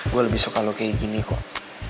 gue lebih suka lo kayak gini kok